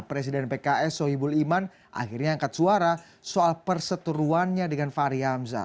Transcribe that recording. presiden pks sohibul iman akhirnya angkat suara soal perseteruannya dengan fahri hamzah